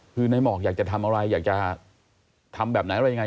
คือในหมอกอยากจะทำอะไรอยากจะทำแบบไหนอะไรยังไง